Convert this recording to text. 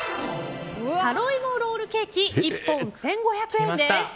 タロイモロールケーキ１本１５００円です。